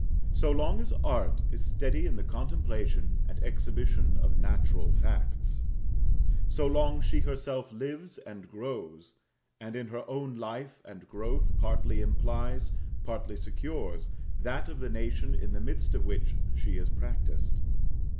So long as Art is steady in the contemplation and exhibition of natural facts, so long she herself lives and grows; and in her own life and growth partly implies, partly secures, that of the nation in the midst of which she is practised.